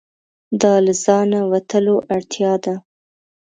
دا له ځانه وتلو اړتیا ده.